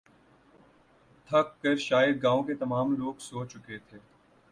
تھک کر شاید گاؤں کے تمام لوگ سو چکے تھے